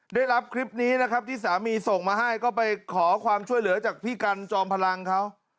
ได้รับคลิปนี้นะครับที่สามีส่งมาให้ก็ไปขอความช่วยเหลือจากพี่กันจอมพลังเขา